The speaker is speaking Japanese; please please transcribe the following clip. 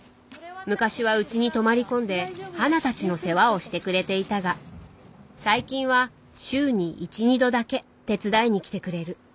昔はうちに泊まり込んで花たちの世話をしてくれていたが最近は週に１２度だけ手伝いに来てくれる。